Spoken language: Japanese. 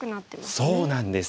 そうなんです。